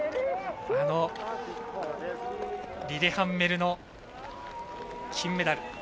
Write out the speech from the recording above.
リレハンメルの金メダル。